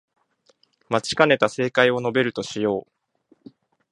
待ちかねた正解を述べるとしよう